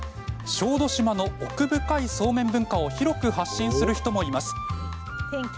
小豆島の奥深いそうめん文化を広く発信する人もいます。